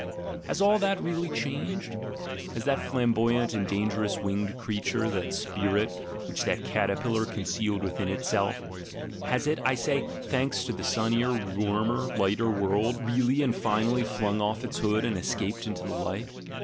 ... Has all that really changed? Has that flamboyant and dangerous winged creature, that "spirit" which that caterpillar concealed within itself, has it, I say, thanks to a sunnier, warmer, lighter world, really and finally flung off its hood and escaped into the light?